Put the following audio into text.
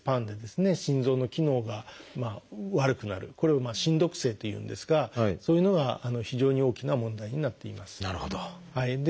これを「心毒性」というんですがそういうのが非常に大きな問題になっています。